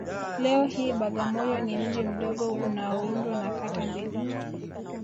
Leo hii Bagamoyo ni mji mdogo unaoundwa na kata mbili